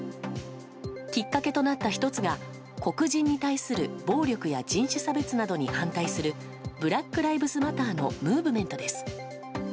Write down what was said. きっかけとなった１つが黒人に対する暴力や人種差別などに反対するブラック・ライブズ・マターのムーブメントです。